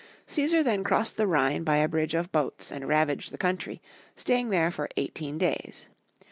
Caesar then crossed the Rliine by a bridge of boats and ravaged the country, staying there for eighteen days.